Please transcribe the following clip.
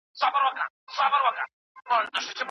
هغوی د انګورو په خوړلو بوخت دي.